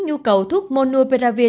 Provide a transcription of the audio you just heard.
nhu cầu thuốc monopiravir